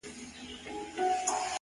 o پايزېب به دركړمه د سترگو توره،